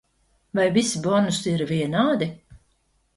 Vai visi bonusi ir vienādi?